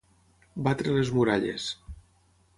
Batre les muralles.